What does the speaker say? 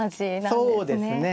そうですね。